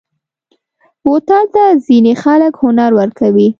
بوتل ته ځینې خلک هنر ورکوي.